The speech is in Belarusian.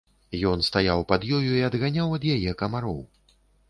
Ён стаяў пад ёю і адганяў ад яе камароў.